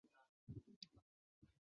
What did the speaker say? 沅江澧水